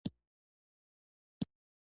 ښایست له وجوده نه، له احساسه دی